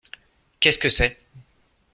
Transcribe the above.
Qu'est-ce que c'est ?